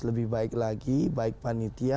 lebih baik lagi baik panitia